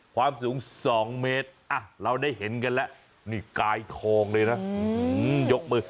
ความสูง๒เมตรเราได้เห็นกันแล้วนี่กายทองเลยนะยกมือ